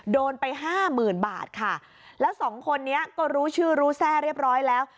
โดนไปห้าหมื่นบาทค่ะแล้วสองคนนี้ก็รู้ชื่อรู้แทร่เรียบร้อยแล้ว